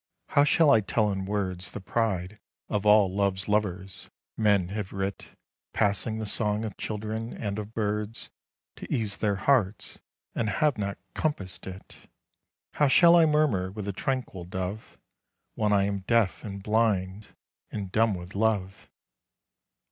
How shall I tell in words The pride of all love's lovers, men have writ Passing the song of children and of birds, To ease their hearts, and have not compassed it ; How shall I murmur with the tranquil dove, When I am deaf and blind and dumb with love